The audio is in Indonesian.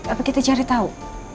apa kita cari tau